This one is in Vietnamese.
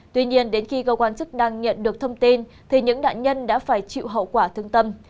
tuy nhiên đến khi cơ quan chức năng nhận được thông tin thì những nạn nhân đã phải chịu hậu quả thương tâm